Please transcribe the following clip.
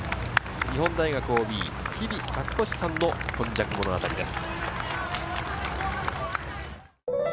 日本大学ＯＢ・日比勝俊さんの今昔物語です。